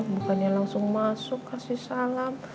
bukannya langsung masuk kasih salam